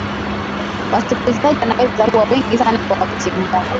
wasikilizaji wanaweza kuwa wengi sana kwa wakati mmoja